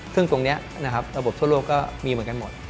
ซึ่งตรงนี้นะครับระบบทั่วโลกก็มีเหมือนกันหมด